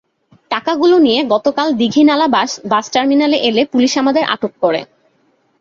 টাকাগুলো নিয়ে গতকাল দীঘিনালা বাস টার্মিনালে এলে পুলিশ আমাদের আটক করে।